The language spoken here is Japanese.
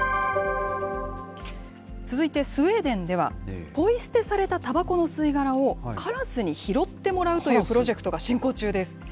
続いてスウェーデンでは、ぽい捨てされたたばこの吸い殻を、カラスに拾ってもらうというプロジェクトが進行中です。